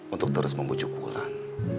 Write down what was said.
untuk terus membucuk wulan